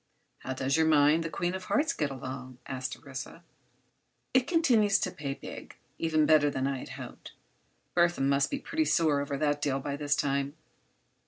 "How does your mine, the Queen of Hearts, get along?" asked Orissa. "It continues to pay big—even better than I had hoped. Burthon must be pretty sore over that deal by this time.